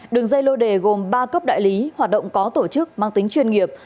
đường dây lô đề gồm ba cấp đại lý hoạt động có tổ chức mang tính chuyên nghiệp